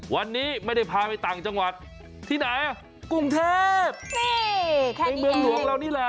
วันนี้ไม่ได้พาไปต่างจังหวัด